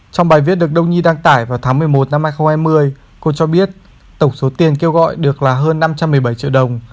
trong bài viết được đông nhi đăng tải vào tháng một mươi một năm hai nghìn hai mươi cô cho biết tổng số tiền kêu gọi được là hơn năm trăm một mươi bảy triệu đồng